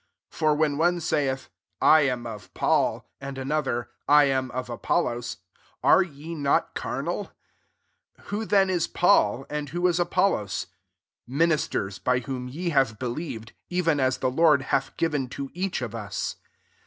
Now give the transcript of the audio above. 4 For when one saith^ " I am of Paul," and another, " I am of ApoUos," are ye not carnal ? 5 Who then is Paul, and] who 18 Apollos? Ministers bf whom ye have believed, evenai the Lord hath given to each (^ U8.